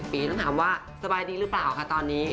ปีต้องถามว่าสบายดีหรือเปล่าค่ะตอนนี้